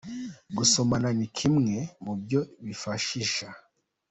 Gusomana ni kimwe mu byo bifashisha.